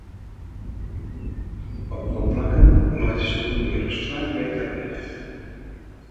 Op guon plakken leit de snie mear as twa meter heech.